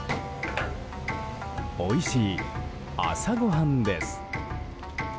おいしい朝ごはんです。